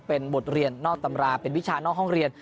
เป็นบทเรียนนอกตำราเป็นวิชานอกห้องเรียน